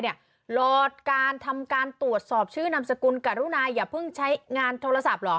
หลอดการทำการตรวจสอบชื่อนามสกุลการุนายอย่าเพิ่งใช้งานโทรศัพท์เหรอ